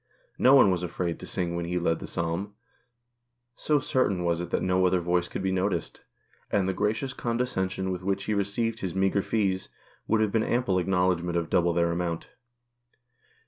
No one was afraid to sing when he led the Psalm, so certain was it that no other voice could be noticed, and the gracious condescension with which he received his meagre fees would have been ample acknowledgment of double their amount.